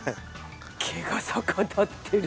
毛が逆立ってる！